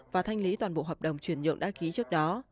và thanh lý toàn bộ hợp đồng chuyển nhượng đã ký trước đó